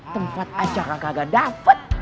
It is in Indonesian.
tempat acara kagak dapet